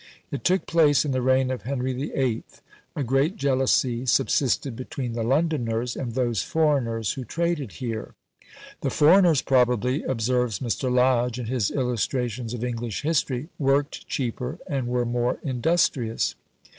It took place in the reign of Henry VIII. A great jealousy subsisted between the Londoners and those foreigners who traded here. The foreigners probably (observes Mr. Lodge, in his Illustrations of English History) worked cheaper and were more industrious.